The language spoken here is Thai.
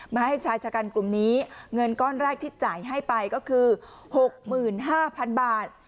มาให้ชายชะกันกลุ่มนี้เงินก้อนแรกที่จ่ายให้ไปก็คือ๖๕๐๐๐บาท